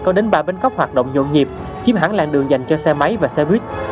có đến ba bến cóc hoạt động nhộn nhịp chiếm hẳn làng đường dành cho xe máy và xe buýt